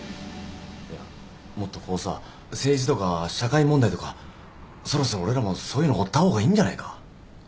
いやもっとこうさ政治とか社会問題とかそろそろ俺らもそういうの追った方がいいんじゃないか？